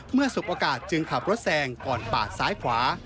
สูบอากาศจึงขับรถแซงก่อนปาดซ้ายขวา